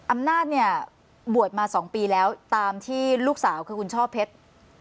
อำนาจเนี่ยบวชมา๒ปีแล้วตามที่ลูกสาวคือคุณช่อเพชร